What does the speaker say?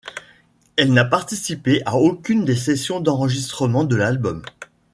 Elle n'a participé à aucune des sessions d'enregistrement de l'album.